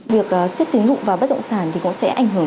việc xếp tín dụng vào bất động sản thì có sẽ ảnh hưởng